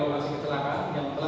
kemuat dari lokasi kecelakaan